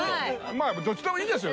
まあどっちでもいいんですよ